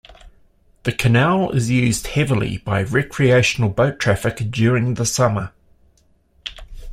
The canal is used heavily by recreational boat traffic during the summer.